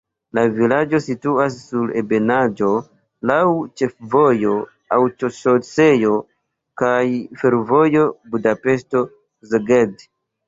La vilaĝo situas sur ebenaĵo, laŭ ĉefvojo, aŭtoŝoseo kaj fervojo Budapeŝto-Szeged.